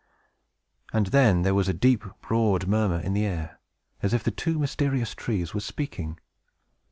And then there was a deep, broad murmur in the air, as if the two mysterious trees were speaking.